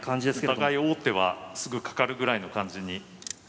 お互い王手はすぐかかるぐらいの感じに。